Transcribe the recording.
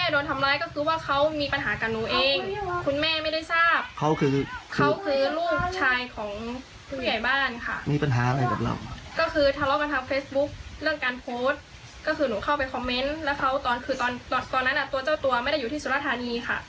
ด้วยคำที่หยาบคายและทำร้ายร่างกายตามที่เห็นในคลิป